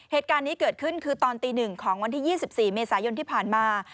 เหตุการณ์นี้เกิดขึ้นคือตอนตี๑ของวันที่๒๔เมษายนที่ผ่านมา